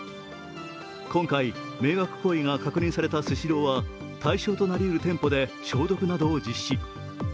今回、迷惑行為が確認されたスシローは対象となりうる店舗で消毒などを実施。